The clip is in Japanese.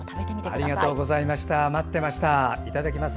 ありがとうございます。